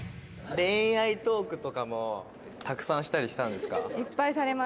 「恋愛トークとかもたくさんしたりしたんですか？」